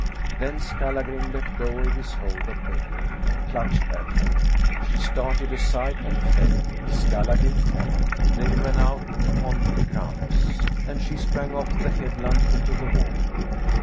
Then Skallagrim let go his hold of Egill and clutched at her. She started aside and fled. Skallagrim followed. They ran out upon Digraness, and she sprang off the headland into the water.